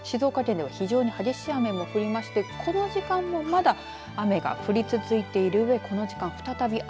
静岡県では非常に激しい雨も降りましてこの時間もまだ雨が降り続いているうえ